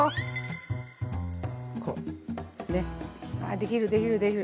できるできるできる。